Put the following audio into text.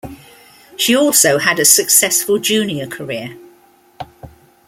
She also had a successful junior career.